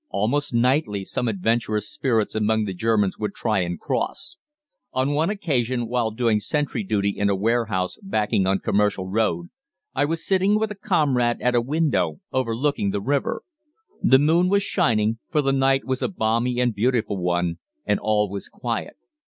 Almost nightly some adventurous spirits among the Germans would try and cross. On one occasion, while doing sentry duty in a warehouse backing on Commercial Road, I was sitting with a comrade at a window overlooking the river. The moon was shining, for the night was a balmy and beautiful one, and all was quiet.